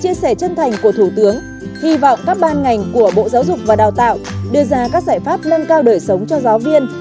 hy vọng các ban ngành của bộ giáo dục và đào tạo đưa ra các giải pháp nâng cao đời sống cho giáo viên